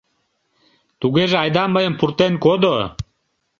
Тугеже айда мыйым пуртен кодо!